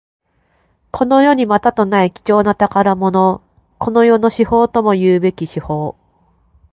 この世にまたとない貴重な宝物。この世の至宝ともいうべき宝玉。